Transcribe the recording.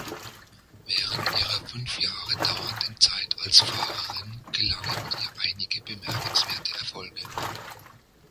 Während ihrer fünf Jahre dauernden Zeit als Fahrerin gelangen ihr einige bemerkenswerte Erfolge.